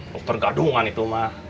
dokter gadungan itu ma